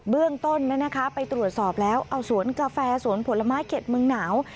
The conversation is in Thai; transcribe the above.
เบื้องต้นไปตรวจสอบแล้วเอาสวนกาแฟสวนผลไม้เข็ดเมืองหนาว